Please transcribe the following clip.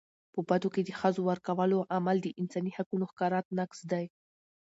په بدو کي د ښځو ورکولو عمل د انساني حقونو ښکاره نقض دی.